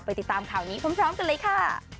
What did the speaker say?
ติดตามข่าวนี้พร้อมกันเลยค่ะ